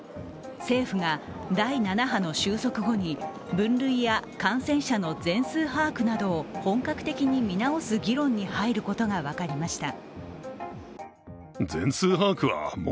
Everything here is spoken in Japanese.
政府が第７波の収束後に分類や、感染者の全数把握などを本格的に見直す議論に入ることが分かりました。